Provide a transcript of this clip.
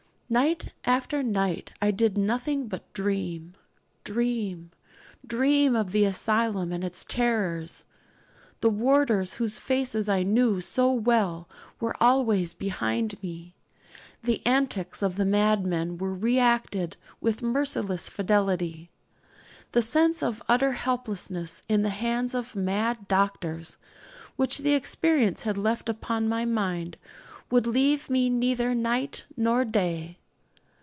Night after night I did nothing but dream, dream, dream of the asylum and its terrors. The warders, whose faces I knew so well, were always behind me; the antics of the madmen were re acted with merciless fidelity. The sense of utter helplessness in the hands of mad doctors, which the experience had left upon my mind, would leave me neither night nor day.